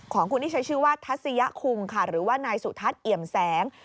ของคุณที่ใช้ชื่อว่าทัศยคุงค่ะหรือว่านายสุทัศน์เอี่ยมแสง